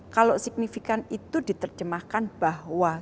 kalau signifikan itu diterjemahkan bahwa